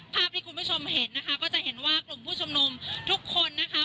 ภาพที่คุณผู้ชมเห็นนะคะก็จะเห็นว่ากลุ่มผู้ชุมนุมทุกคนนะคะ